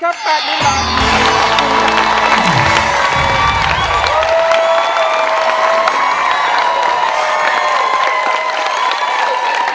เอานะครับ